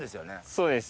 そうです。